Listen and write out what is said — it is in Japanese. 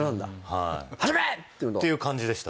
はいっていう感じでした